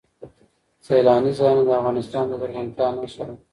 سیلانی ځایونه د افغانستان د زرغونتیا نښه ده.